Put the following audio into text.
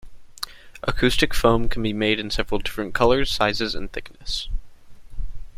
Acoustic foam can be made in several different colors, sizes and thickness.